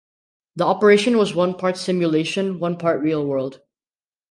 The operation was one part simulation, one part real world.